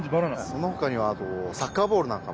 そのほかにはあとサッカーボールなんかも。